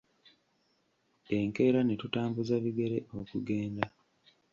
Enkeera ne tutambuza bigere okugenda.